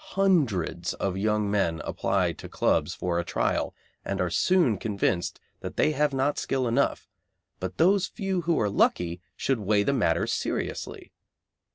Hundreds of young men apply to clubs for a trial, and are soon convinced that they have not skill enough, but those few who are lucky should weigh the matter seriously.